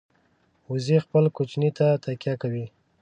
وزې خپل کوچني ته تکیه کوي